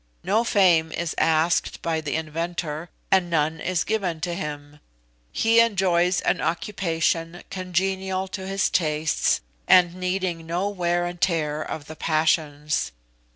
No fame is asked by the inventor, and none is given to him; he enjoys an occupation congenial to his tastes, and needing no wear and tear of the passions.